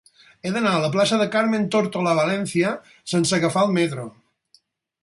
He d'anar a la plaça de Carmen Tórtola Valencia sense agafar el metro.